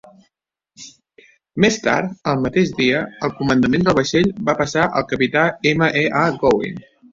Més tard, el mateix dia, el comandament del vaixell va passar al Capità M. E. A. Gouin.